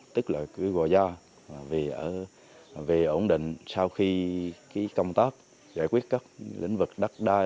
tức là cứ gò gia về ổn định sau khi công tác giải quyết các lĩnh vực đắc đai